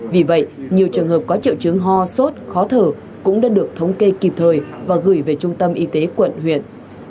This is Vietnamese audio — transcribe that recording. vì vậy nhiều trường hợp có trợ chứng hò sốt khó thử cũng đã được thống kê kịp thời và gửi về trung tâm y tế quận huyện